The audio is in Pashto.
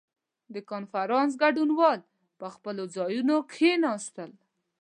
• د کنفرانس ګډونوال پر خپلو ځایونو کښېناستل.